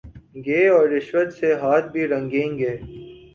گے اور رشوت سے ہاتھ بھی رنگیں گے۔